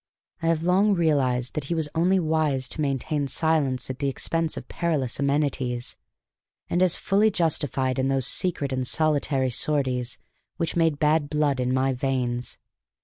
I have long realized that he was only wise to maintain silence at the expense of perilous amenities, and as fully justified in those secret and solitary sorties which made bad blood in my veins.